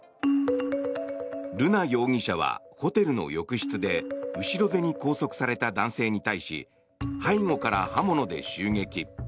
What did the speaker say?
瑠奈容疑者はホテルの浴室で後ろ手に拘束された男性に対し背後から刃物で襲撃。